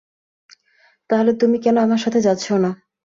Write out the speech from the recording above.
তাহলে তুমি কেন আমার সাথে যাচ্ছ না?